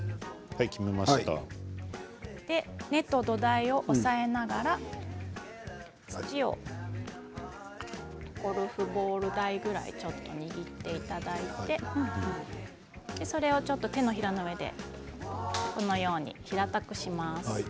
根っこと土台を押さえながら土をゴルフボール大ぐらい握っていただいて手のひらの上で平たくします。